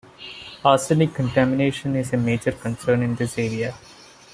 Arsenic contamination is a major concern in this area.